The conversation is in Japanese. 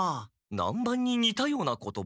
南蛮ににたような言葉？